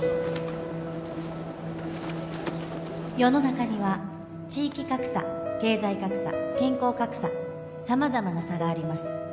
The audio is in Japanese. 世の中には地域格差経済格差健康格差様々な差があります